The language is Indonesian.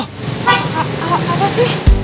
pak apa sih